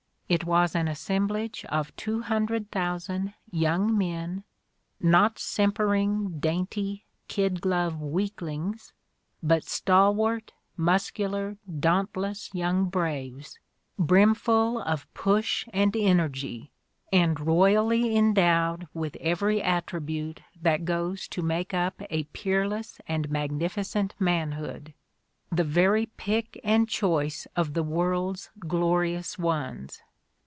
"It was an assemblage of two hundred thousand young men — ^not simpering, dainty, kid glove weaklings, but stal wart, muscular, dauntless young btaves, brimful of push and energy, and royally endowed with every attribute that goes to make up a peerless and magnificent man hood — the very pick and choice of the world's glorious ones.